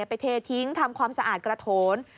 เททิ้งทำความสะอาดกระโถน